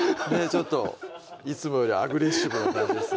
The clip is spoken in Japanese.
ちょっといつもよりアグレッシブな感じですね